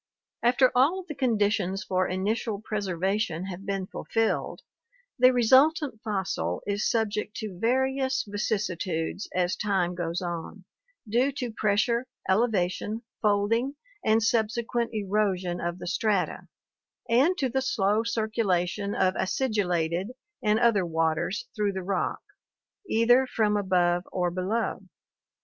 — After all of the conditions for initial preservation have been fulfilled, the resultant fossil is subject to various vicissitudes as time goes on, due to pressure, elevation, fold ing, and subsequent erosion of the strata, and to the slow circula tion of acidulated and other waters through the rock, either from above or below.